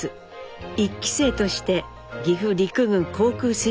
１期生として岐阜陸軍航空整備